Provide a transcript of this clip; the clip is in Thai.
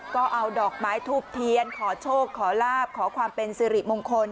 ก็เอาดอกไม้ทูบเทียนขอโชคขอลาบขอความเป็นสิริมงคล